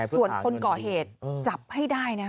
ส่วนคนก่อเหตุจับให้ได้นะ